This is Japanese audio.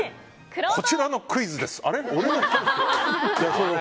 こちらのクイズです！